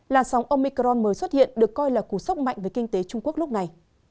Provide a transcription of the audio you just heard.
làn sóng omicron mới xuất hiện được coi là cú sốc mạnh với kinh tế trung quốc lúc này